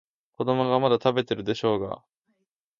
子供がまだ食べてるでしょうが。